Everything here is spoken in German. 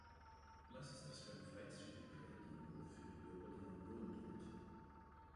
Was ist das für eine Freizügigkeit, die nur für die Bürger der Union gilt?